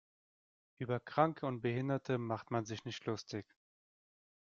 Über Kranke und Behinderte macht man sich nicht lustig.